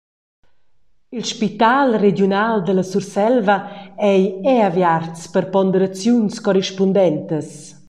Il Spital regiunal dalla Surselva ei era aviarts per ponderaziuns corrispundentas.